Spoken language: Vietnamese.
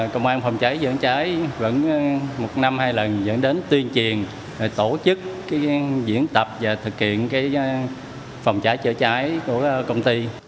công an phòng cháy chữa cháy vẫn một năm hai lần dẫn đến tuyên truyền tổ chức diễn tập và thực hiện phòng cháy chữa cháy của công ty